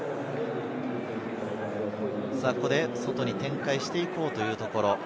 外に展開していこうというところ。